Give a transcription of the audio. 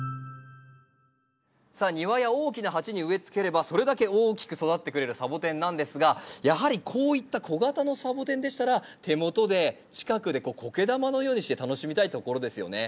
さあ庭や大きな鉢に植えつければそれだけ大きく育ってくれるサボテンなんですがやはりこういった小型のサボテンでしたら手元で近くでこうコケ玉のようにして楽しみたいところですよね。